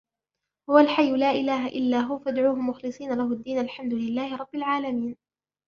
هُوَ الْحَيُّ لَا إِلَهَ إِلَّا هُوَ فَادْعُوهُ مُخْلِصِينَ لَهُ الدِّينَ الْحَمْدُ لِلَّهِ رَبِّ الْعَالَمِينَ